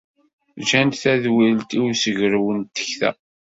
Gant tadwilt i ussegrew n tekta.